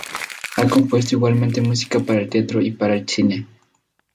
Ha compuesto igualmente música para el Teatro y para el Cine.